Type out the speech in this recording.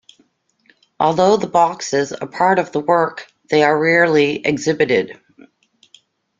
Although the boxes are part of the work, they are rarely exhibited.